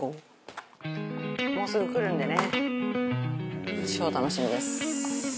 もうすぐ来るんでね超楽しみです。